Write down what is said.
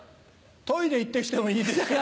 トイレ行って来てもいいですか？